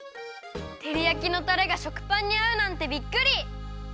てりやきのたれが食パンにあうなんてびっくり！